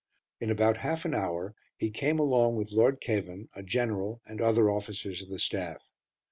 In about half an hour he came along with Lord Cavan, a general, and other officers of the staff.